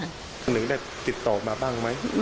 หนึ่งได้ติดต่อมาบ้างไหม